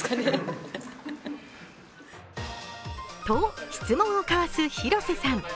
と、質問をかわす広瀬さん。